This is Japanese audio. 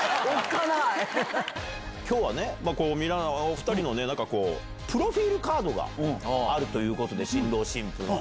きょうはね、お２人のプロフィールカードがあるということで、新郎新婦の。